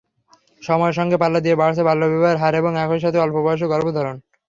সময়ের সঙ্গে পাল্লা দিয়ে বাড়ছে বাল্যবিবাহের হার এবং একই সাথে অল্পবয়সে গর্ভধারণ।